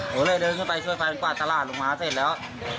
ผมเลยเดินเข้าไปช่วยแฟนกวาดตลาดลงมาเสร็จแล้ว